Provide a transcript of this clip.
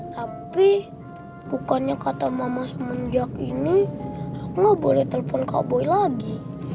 tapi bukannya kata mama semenjak ini aku gak boleh telpon kaboy lagi